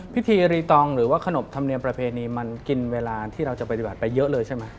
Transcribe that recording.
พิธีรีตองหรือว่าขนบธรรมเนียมประเพณีมันกินเวลาที่เราจะปฏิบัติไปเยอะเลยใช่ไหม